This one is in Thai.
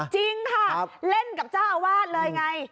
จริงค่ะเล่นกับเจ้าอาวาสเลยไง